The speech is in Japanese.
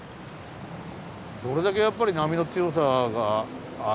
どれだけやっぱり波の強さが。